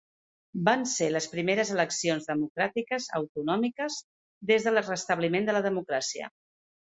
Van ser les primeres eleccions democràtiques autonòmiques des del restabliment de la democràcia.